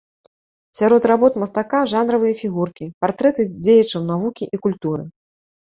Сярод работ мастака жанравыя фігуркі, партрэты дзеячаў навукі і культуры.